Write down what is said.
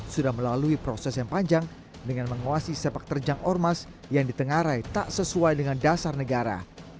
sudah melalui proses yang panjang dengan menguasai sepak terjang ormas yang ditengarai tak sesuai dengan dasar negara